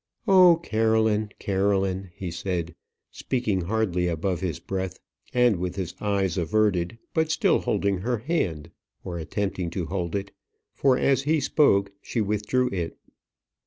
"Oh, Caroline, Caroline!" he said, speaking hardly above his breath, and with his eyes averted, but still holding her hand; or attempting to hold it, for as he spoke she withdrew it.